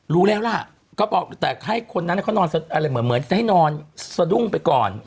รู้แล้วล่ะก็บอกแต่ให้คนนั้นเขานอนอะไรเหมือนจะให้นอนสะดุ้งไปก่อน